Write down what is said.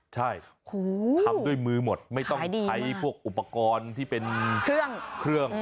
ใช่ทำด้วยมือหมดไม่ต้องใช้พวกอุปกรณ์ที่เป็นเครื่อง